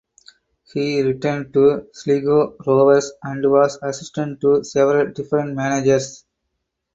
He returned to Sligo Rovers and was assistant to several different managers.